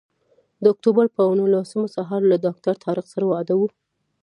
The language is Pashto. د اکتوبر پر نولسمه سهار له ډاکټر طارق سره وعده وه.